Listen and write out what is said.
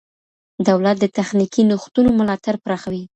دولت د تخنیکي نوښتونو ملاتړ پراخوي.